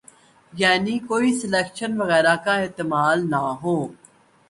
یعنی کوئی سلیکشن وغیرہ کا احتمال نہ ہو۔